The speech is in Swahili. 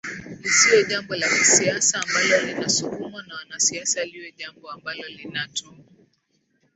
lisiwe jambo la kisiasa ambalo linasukumwa na wanasiasa liwe jambo ambalo linatu